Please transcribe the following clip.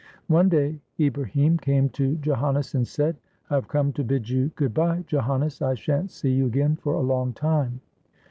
One day, Ibrahim came to Joannes and said, ''I have 557 TURKEY come to bid you good bye, Joannes. I shan't see you again for a long time."